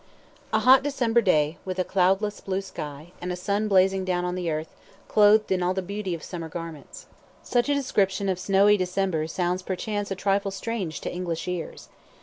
A hot December day, with a cloudless blue sky, and a sun blazing down on the earth, clothed in all the beauty of summer garments. Such a description of snowy December sounds perchance a trifle strange to English ears.